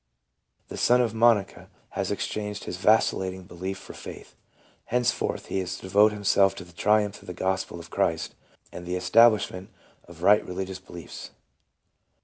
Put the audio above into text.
The son of Monica has exchanged his vacillating belief for Faith ; henceforth he is to devote himself to the triumph of the Gospel of Christ and the estab lishment of right religious beliefs.